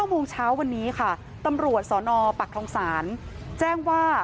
โมงเช้าวันนี้ค่ะตำรวจสนปักทองศาลแจ้งว่า